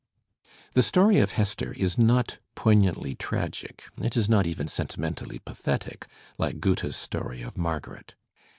The story of Hester is not poignantly tragic, it is not even sentimentally pathetic like Goethe's story of Margaret.